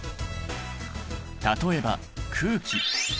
例えば空気。